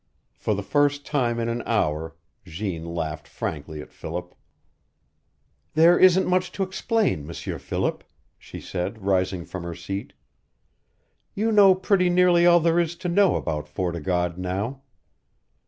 For the first time in an hour Jeanne laughed frankly at Philip. "There isn't much to explain, M'sieur Philip," she said, rising from her seat. "You know pretty nearly all there is to know about Fort o' God now.